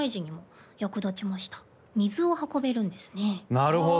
なるほど。